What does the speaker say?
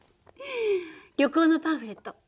旅行のパンフレット。